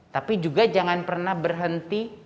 tapi juga jangan pernah berhenti